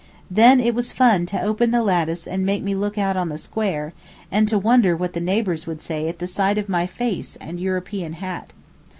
Then it was fun to open the lattice and make me look out on the square, and to wonder what the neighbours would say at the sight of my face and European hat.